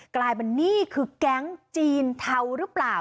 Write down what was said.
กลายเป็นนี่คือแก๊งจีนเทาหรือเปล่า